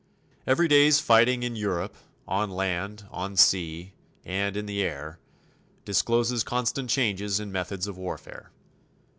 Every day's fighting in Europe, on land, on sea, and in the air, discloses constant changes in methods of warfare.